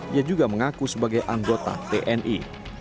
ia juga mengaku sebagai anggota tni